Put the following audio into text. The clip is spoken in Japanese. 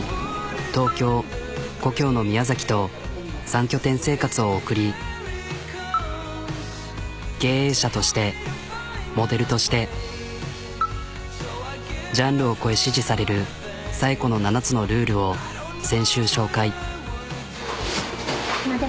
東京故郷の宮崎と３拠点生活を送り経営者としてモデルとしてジャンルを越え支持される紗栄子の７つのルールを先週紹介。